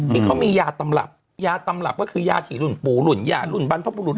ที่เขามียาตำรับยาตำรับก็คือยาที่รุ่นปู่รุ่นยารุ่นบรรพบุรุษ